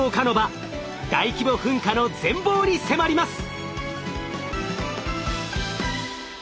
大規模噴火の全貌に迫ります！